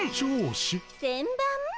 せんばん？